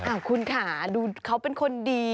คุณค่ะดูเขาเป็นคนดี